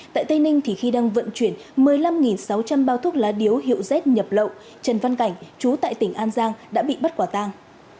tại tây ninh khi đang vận chuyển một mươi năm sáu trăm linh bao thuốc lá điếu hiệu z nhập lậu trần văn cảnh chú tại tỉnh an giang đã bị bắt quả tang